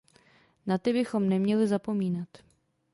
Na ty bychom neměli zapomínat.